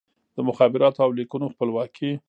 د مخابراتو او لیکونو خپلواکي